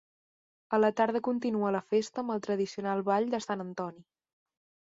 A la tarda continua la festa amb el tradicional Ball de Sant Antoni.